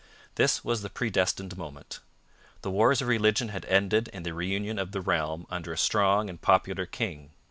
This was the predestined moment. The Wars of Religion had ended in the reunion of the realm under a strong and popular king.